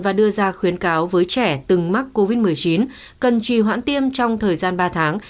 và đưa ra khuyến cáo với trẻ từng mắc covid một mươi chín cần trì hoãn tiêm trong thời gian ba tháng